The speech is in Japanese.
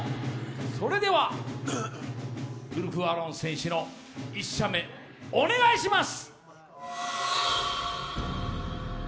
それでは、ウルフ・アロン選手の１射目、お願いします！